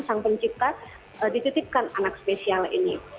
sang pencipta dititipkan anak spesial ini